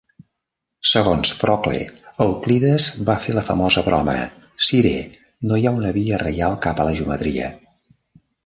Segons Procle, Euclides va fer la famosa broma: "Sire, no hi ha una via reial cap a la geometria".